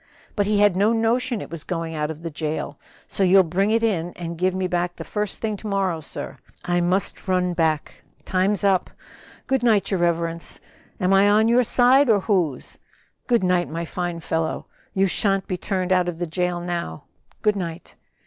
But he had no notion it was going out of the jail; so you'll bring it in and give it me back the first thing to morrow, sir. I must run back, time's up! Good night, your reverence. Am I on your side or whose?" "Good night, my fine fellow; you shan't be turned out of the jail now. Good night."